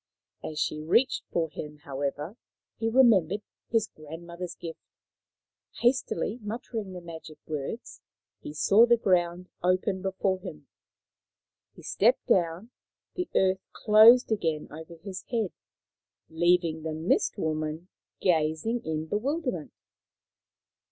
As she reached for him, however, he remembered his grandmother's gift. Hastily muttering the magic words, he saw the ground open before him. He stepped down. The earth closed again over his head, leaving the Mist woman gazing in bewilderment.